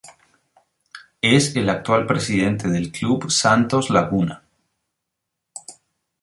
Es el actual Presidente del Club Santos Laguna.